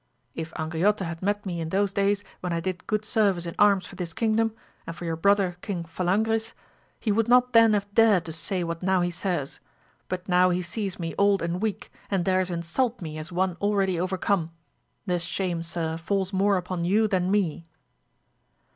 If Angriote had met me in those days when I did good service in arms for this kingdom, and for your brother King Falangris, he would not then have dared to say what now he says, but now he sees me old and weak, and dares insult me as one already overcome ; this shame sir falls more upon you than me.